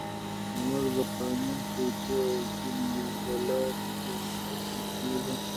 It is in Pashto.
موږ د قانون، پیسو او دین له لارې یو موټی کېږو.